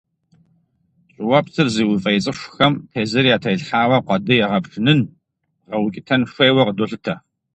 Щӏыуэпсыр зыуфӏей цӏыхухэм тезыр ятелъхьауэ, къуэды егъэпшынын, гъэукӏытэн хуейуэ къыдолъытэ.